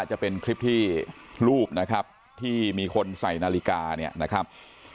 จะเป็นคลิปที่รูปนะครับที่มีคนใส่นาฬิกาเนี่ยนะครับ